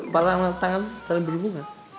parah tangan saling berhubungan